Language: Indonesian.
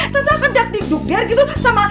tante akan dapet di dukder gitu sama